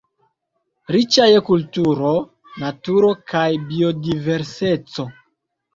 Riĉa je kulturo, naturo kaj biodiverseco.